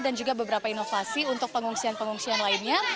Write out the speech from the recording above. dan juga beberapa inovasi untuk pengungsian pengungsian lainnya